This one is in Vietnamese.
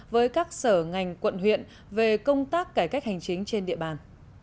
với các sở ngành quận huyện về công tác cải cách hành chính trên địa bàn